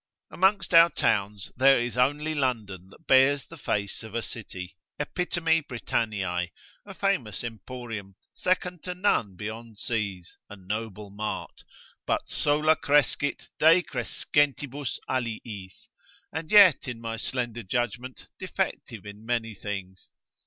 Amongst our towns, there is only London that bears the face of a city, Epitome Britanniae, a famous emporium, second to none beyond seas, a noble mart: but sola crescit, decrescentibus aliis; and yet, in my slender judgment, defective in many things.